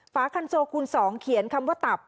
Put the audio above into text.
ฝาคันโซคูณ๒เขียนคำว่าตับ